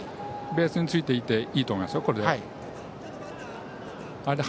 ベースについていていいと思いますよ、これで。